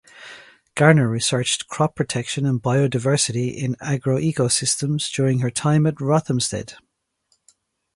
Garner researched crop protection and biodiversity in agroecosystems during her time at Rothamsted.